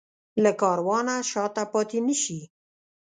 له کاروانه شاته پاتې نه شي.